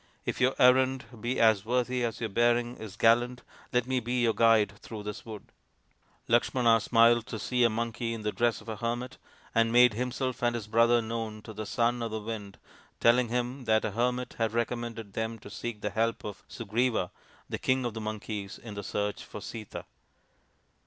" If your errand be as worthy as your bearing is gallant, let me be your guide through this wood." Lakshmana smiled to see a monkey in the dress of a hermit, and made himself and his brother known to the Son of the Wind, telling him that a hermit had recommended them to seek the help of Sugriva, the King of the Monkeys, in the search for Sita.